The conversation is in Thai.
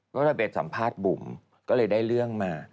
ก็เลยไปสัมภาษณ์บุ๋มก็เลยได้เรื่องมา